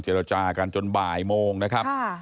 รจากันจนบ่ายโมงนะครับ